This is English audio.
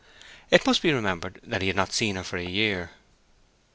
It must be remembered that he had not seen her for a year.